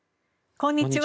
こんにちは。